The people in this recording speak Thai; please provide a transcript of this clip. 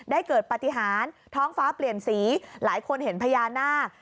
เกิดปฏิหารท้องฟ้าเปลี่ยนสีหลายคนเห็นพญานาค